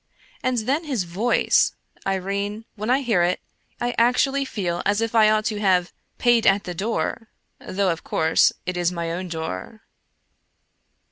And then his voice — Irene, when I hear it I actually feel as if I ought to have paid at the door, though, of course, it is my own door.